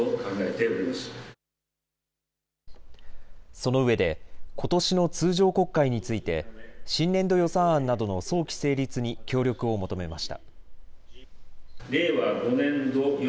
そのうえで、ことしの通常国会について新年度予算案などの早期成立に協力を求めました。